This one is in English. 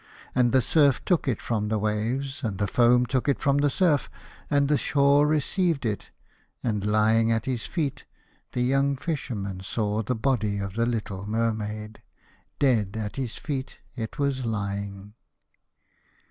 And the surf took it from the waves, and the foam took it from the surf, and the shore received it, and lying at his feet the young Fisherman saw the body of the little Mermaid. Dead at his feet it was lying.